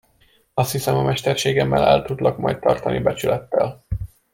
Azt hiszem, a mesterségemmel el tudlak majd tartani becsülettel.